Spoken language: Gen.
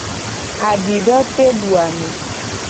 Adidoteduame.